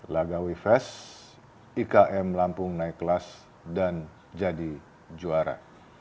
lagawi fes ikm lampung naik kelas dan jadi juara